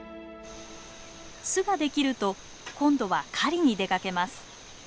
巣ができると今度は狩りに出かけます。